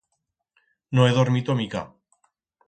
No he dormito mica.